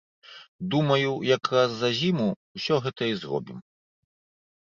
Думаю, як раз за зіму ўсё гэта і зробім.